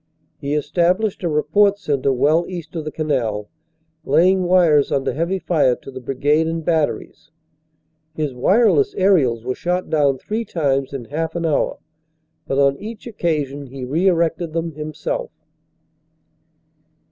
He established a report centre well east of the canal, laying wires under heavy fire to the Brigade and Batteries. His wireless aerials were shot down three times in half an hour but on each occasion he re erected them himself.